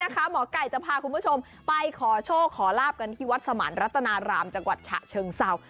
หมอไก่จะพาคุณผู้ชมไปขอโชคขอลาบกันที่วัดสมานรัตนารามจังหวัดฉะเชิงเศร้า